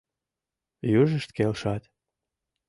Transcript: Южышт келшат.